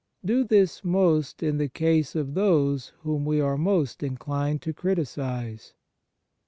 Do this most in the case of those whom we are most inclined to criticize.